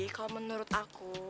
kalau menurut aku